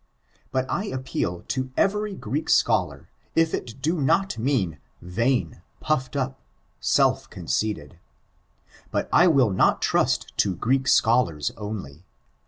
But I appeal to every Greek scholar, if it do not mean vain, puffed up, sdf canceited, iBut I will not trust to Greek scholars only.